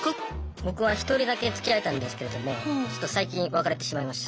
僕は１人だけつきあえたんですけれどもちょっと最近別れてしまいました。